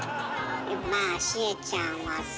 まあしえちゃんはさ。